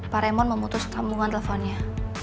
pak remon memutus sambungan teleponnya